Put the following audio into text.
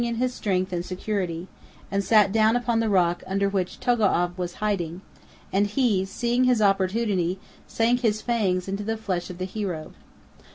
311 in his strength and security, and sat down upon the rock under which Togo'av was hiding; and he, seeing his opportunity, sank his fangs into the flesh of the hero.